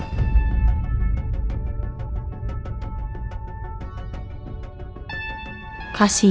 tidak akan berhasil